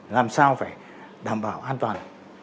làm sao phải đảm bảo an toàn